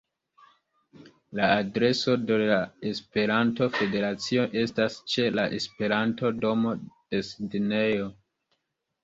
La adreso de la Esperanto-Federacio estas ĉe la Esperanto-domo de Sidnejo.